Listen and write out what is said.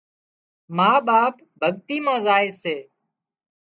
ما ٻاپ ڀڳتي مان زائي سي